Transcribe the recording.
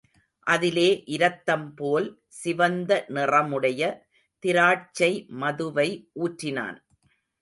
அதிலே இரத்தம் போல் சிவந்த நிறமுடைய திராட்சை மதுவை ஊற்றினான்.